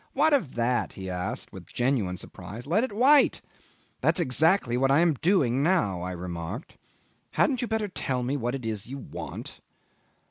"What of that?" he asked with genuine surprise; "let it wait." "That's exactly what I am doing now," I remarked; "hadn't you better tell me what it is you want?"